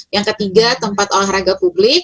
yang ketiga tempat olahraga publik